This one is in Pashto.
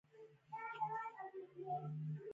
موږ به د اختر په ورځ خوشحالي وکړو